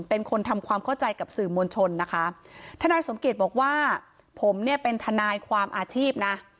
เป็นคนทำความเข้าใจกับสื่อมวลชนนะคะทนายสมเกียจบอกว่าผมเนี่ยเป็นทนายความอาชีพนะ